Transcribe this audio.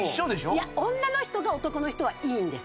いや女の人が男の人はいいんです。